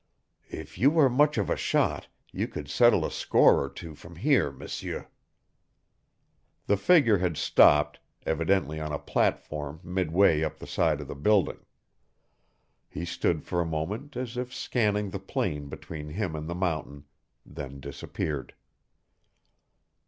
If you were much of a shot you could settle a score or two from here, M'seur." The figure had stopped, evidently on a platform midway up the side of the building. He stood for a moment as if scanning the plain between him and the mountain, then disappeared.